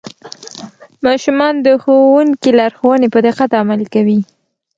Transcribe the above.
ماشومان د ښوونکي لارښوونې په دقت عملي کوي